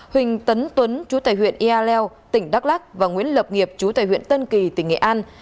huỳnh tấn tuấn chú tài huyện iae leo tỉnh đắk lắc và nguyễn lập nghiệp chú tại huyện tân kỳ tỉnh nghệ an